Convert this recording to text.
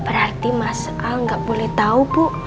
berarti mas al gak boleh tau bu